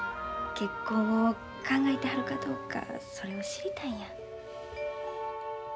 結婚を考えてはるかどうかそれを知りたいんや。